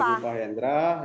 berbunyi pak hendra